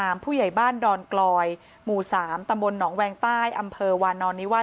ผู้ใหญ่บ้านดอนกลอยหมู่๓ตำบลหนองแวงใต้อำเภอวานอนนิวาส